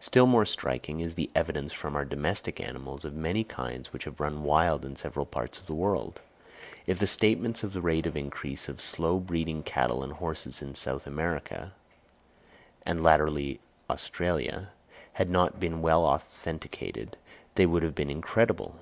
Still more striking is the evidence from our domestic animals of many kinds which have run wild in several parts of the world; if the statements of the rate of increase of slow breeding cattle and horses in South America, and latterly in Australia, had not been well authenticated, they would have been incredible.